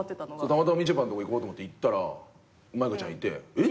たまたまみちょぱのとこ行ったら舞香ちゃんいて「えっ？」